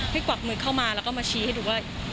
กวักมือเข้ามาแล้วก็มาชี้ให้ดูว่า